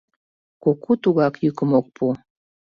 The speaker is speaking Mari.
Куку тугак йӱкым ок пу.